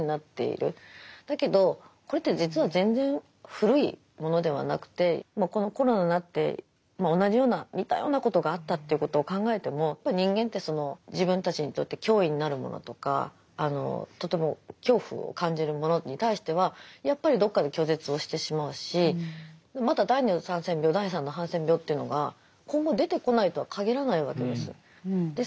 だけどこれって実は全然古いものではなくてこのコロナになって同じような似たようなことがあったということを考えてもやっぱり人間ってその自分たちにとって脅威になるものとかとても恐怖を感じるものに対してはやっぱりどこかで拒絶をしてしまうしまた第２のハンセン病第３のハンセン病というのが今後出てこないとは限らないわけです。